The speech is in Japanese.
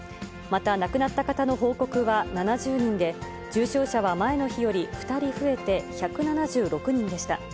また亡くなった方の報告は７０人で、重症者は前の日より２人増えて１７６人でした。